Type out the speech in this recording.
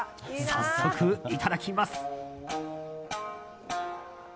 早速いただきます。